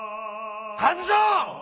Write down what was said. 半蔵！